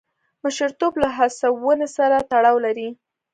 مشرتوب له هڅونې سره تړاو لري.